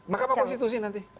mahkamah konstitusi nanti